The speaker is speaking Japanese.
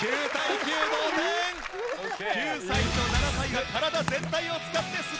９歳と７歳が体全体を使ってスマッシュ！